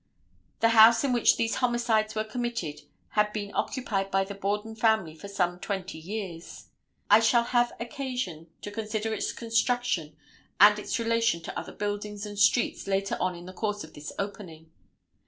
The house in which these homicides were committed had been occupied by the Borden family for some twenty years. I shall have occasion to consider its construction and its relation to other buildings and streets later on in the course of this opening.